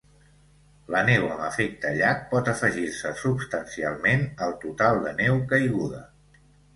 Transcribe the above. La neu amb efecte llac pot afegir-se substancialment al total de neu caiguda.